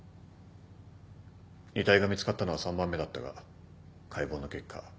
遺体が見つかったのは３番目だったが解剖の結果